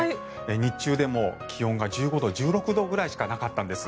日中でも気温が１５度、１６度くらいしかなかったんです。